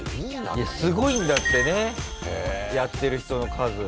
いやすごいんだってねやってる人の数。